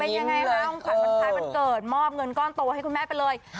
เป็นยังไงพร้อนเหวิลฟ้ายวันเกิดมอบเงินก้อนโตให้คุณแม่ไปเลย